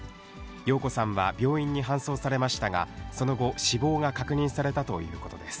蓉子さんは病院に搬送されましたが、その後、死亡が確認されたということです。